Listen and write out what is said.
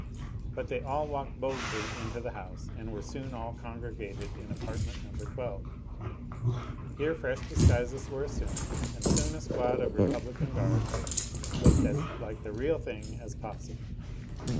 But they all walked boldly into the house and were soon all congregated in apartment No. 12. Here fresh disguises were assumed, and soon a squad of Republican Guards looked as like the real thing as possible.